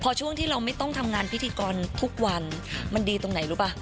พอช่วงที่เราไม่ต้องทำงานพิธีกรทุกวันมันดีตรงไหนรู้ป่ะ